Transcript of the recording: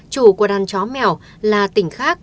chủ của đàn chó mèo là tỉnh khác